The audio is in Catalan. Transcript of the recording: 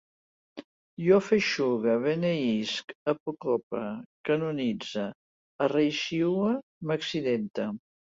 Jo afeixugue, beneïsc, apocope, canonitze, arreixiue, m'accidente